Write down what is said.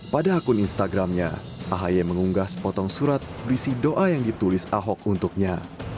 pada akun instagramnya ahy mengunggas potong surat berisi doa yang ditulis ahok untuknya